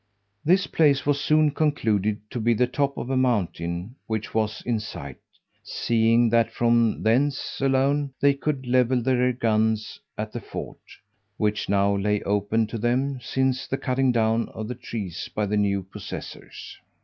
This place was soon concluded to be the top of a mountain which was in sight, seeing that from thence alone they could level their guns at the fort, which now lay open to them since the cutting down of the trees by the new possessors.